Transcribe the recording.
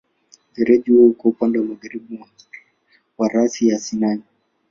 Mfereji uko upande wa magharibi wa rasi ya Sinai.